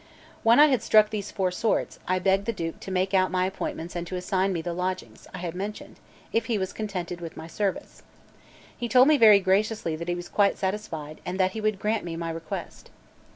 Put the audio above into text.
When I had struck these four sorts, I begged the Duke to make out my appointments and to assign me the lodgings I have mentioned, if he was contented with my service. He told me very graciously that he was quite satisfied, and that he would grant me my request.